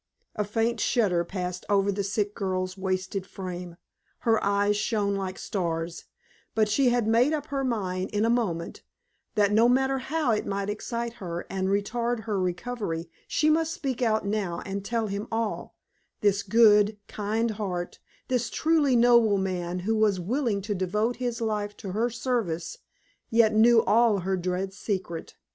A faint shudder passed over the sick girl's wasted frame, her eyes shone like stars; but she had made up her mind in a moment that, no matter how it might excite her and retard her recovery, she must speak out now and tell him all this good, kind heart, this truly noble man who was willing to devote his life to her service, yet knew all her dread secret!